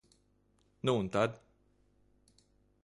Nu un tad?